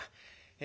え